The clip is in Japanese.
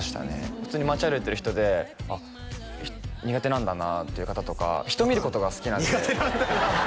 普通に街歩いてる人であっ苦手なんだなっていう方とか人見ることが好きなんで「苦手なんだな」